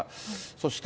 そして。